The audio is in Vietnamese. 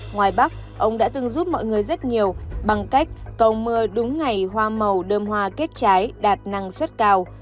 ngoài bắc ông đã từng giúp mọi người rất nhiều bằng cách cầu mưa đúng ngày hoa màu đơm hoa kết trái đạt năng suất cao